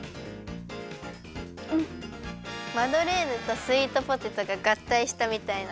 マドレーヌとスイートポテトががったいしたみたいな。